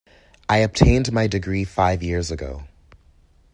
I obtained my degree five years ago.